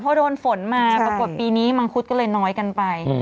พอโดนฝนมาปรากฏปีนี้มังคุดก็เลยน้อยกันไป